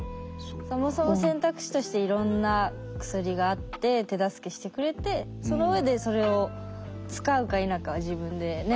そもそも選択肢としていろんな薬があって手助けしてくれてそのうえでそれを使うか否かは自分でね